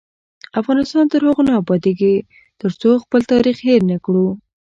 افغانستان تر هغو نه ابادیږي، ترڅو خپل تاریخ هیر نکړو.